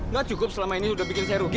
nggak cukup selama ini sudah bikin saya rugi